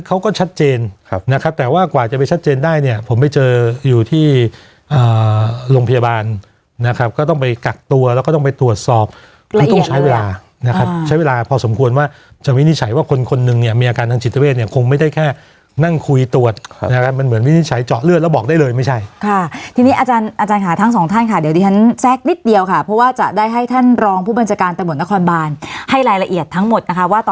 มากกว่าจะไปชัดเจนได้เนี้ยผมไปเจออยู่ที่อ่าโรงพยาบาลนะครับก็ต้องไปกักตัวแล้วก็ต้องไปตรวจสอบต้องใช้เวลานะครับใช้เวลาพอสมควรว่าจะวินิจฉัยว่าคนคนหนึ่งเนี้ยมีอาการทางจิตเวทเนี้ยคงไม่ได้แค่นั่งคุยตรวจนะครับมันเหมือนวินิจฉัยเจาะเลือดแล้วบอกได้เลยไม่ใช่ค่ะทีนี้อาจารย์อาจารย์ค่ะท